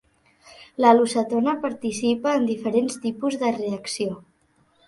L'halocetona participa en diferents tipus de reacció.